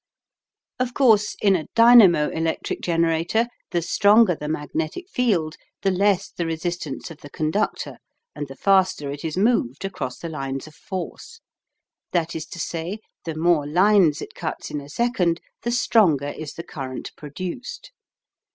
Of course in a dynamo electric generator the stronger the magnetic field, the less the resistance of the conductor, and the faster it is moved across the lines of force, that is to say, the more lines it cuts in a second the stronger is the current produced.